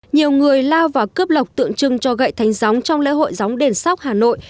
nhiều người lao vào cướp lọc tượng trưng cho gậy thánh gióng trong lễ hội gióng đền sóc hà nội